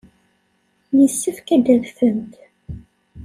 Yessefk ad d-tadfemt.